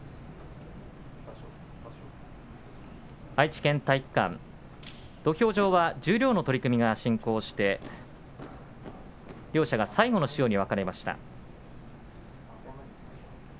愛知県体育館土俵上は十両の取組が進行して両者が最後の塩に分かれました。